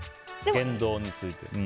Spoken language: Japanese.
言動について。